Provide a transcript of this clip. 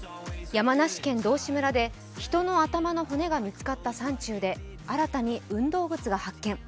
山梨県道志村で人の頭の骨が見つかった山中で新たに運動靴が発見。